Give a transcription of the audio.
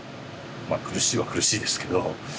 まあ苦しいは苦しいですけど。